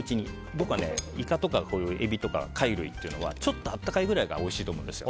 僕はイカとかエビとか貝類っていうのはちょっと温かいぐらいがおいしいと思うんですよ。